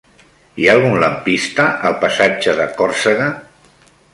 Hi ha algun lampista al passatge de Còrsega?